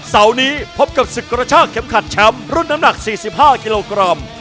เสาร์นี้พบกับศึกกระชากเข็มขัดแชมป์รุ่นน้ำหนัก๔๕กิโลกรัม